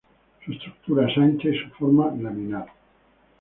Su estructura es ancha y su forma laminar.